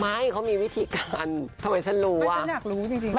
ไม่ก็มีวิธีการทำไมฉันรู้วะ